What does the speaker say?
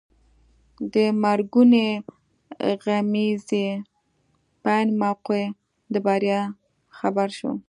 د مرګونې غمیزې په عین موقع د بریا خبر شو.